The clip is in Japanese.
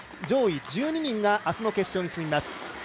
上位１２人があすの決勝に進みます。